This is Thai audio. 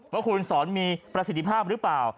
ว่าคุณสอนมีประสิทธิภาพหรือเปล่า